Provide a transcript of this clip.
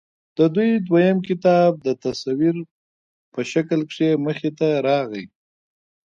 د دوي دويم کتاب د تصوير پۀ شکل کښې مخې ته راغے